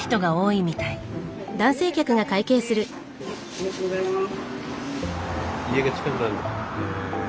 ありがとうございます。